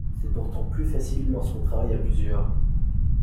C'est pourtant plus facile lorsqu'on travaille à plusieurs.